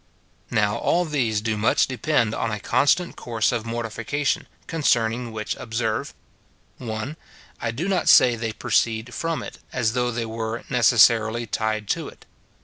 Now, all these do much depend on a constant course of mortification, concerning which observe, — SIN IN BELIEVERS. 177 1. I do not say they proceed from it, as though they were necessarily tied to it.